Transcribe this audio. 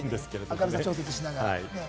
明るさ調節しながらね。